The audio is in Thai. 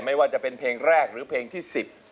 ไม่ว่าจะเป็นเพลงแรกหรือเพลงที่๑๐